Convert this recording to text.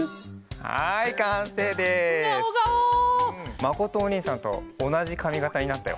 まことおにいさんとおなじかみがたになったよ。